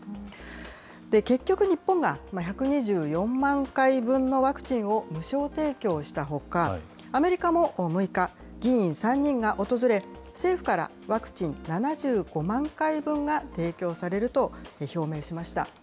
結局、日本が１２４万回分のワクチンを無償提供したほか、アメリカも６日、議員３人が訪れ、政府からワクチン７５万回分が提供されると表明しました。